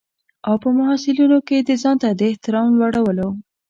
او په محصلینو کې د ځانته د احترام لوړولو.